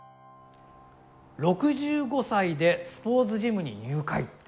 ６５歳で「スポーツジムに入会」って。